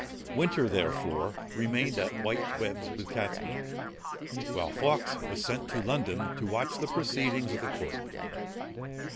Winter, therefore, remained at White Webbs with Catesby, while Fawkes was sent to London to watch the proceedings of the court.